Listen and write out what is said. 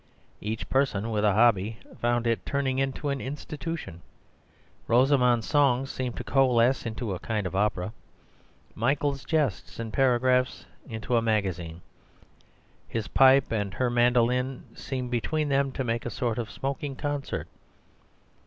Each person with a hobby found it turning into an institution. Rosamund's songs seemed to coalesce into a kind of opera; Michael's jests and paragraphs into a magazine. His pipe and her mandoline seemed between them to make a sort of smoking concert.